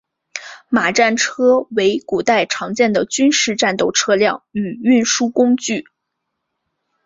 马战车为古代常见的军事战斗车辆与运输工具。